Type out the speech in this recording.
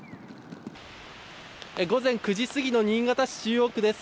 午前９時すぎの新潟市中央区です。